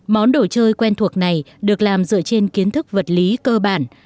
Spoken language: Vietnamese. món đồ chơi quen thuộc này được làm dựa trên kiến thức vật lý cơ bản